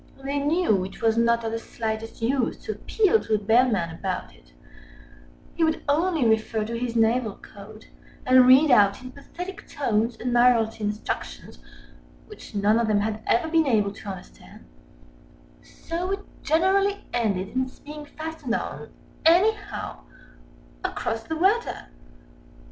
They knew it was not of the slightest use to appeal to the Bellman about it—he would only refer to his Naval Code, and read out in pathetic tones Admiralty Instructions which none of them had ever been able to understand—so it generally ended in its being fastened on, anyhow, across the rudder.